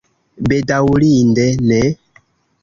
Bedaŭrinde ne.